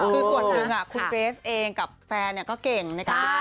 คือส่วนหนึ่งคุณเฟซเองกับแฟนก็เก่งในการติดตาม